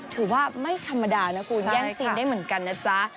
ถือว่าไม่ธรรมดานะคุณแย่งซีนได้เหมือนกันนะจ๊ะ